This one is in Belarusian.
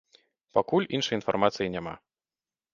Пакуль іншай інфармацыі няма.